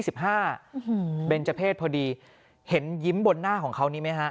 เบนเจอร์เพศพอดีเห็นยิ้มบนหน้าของเขานี้ไหมฮะ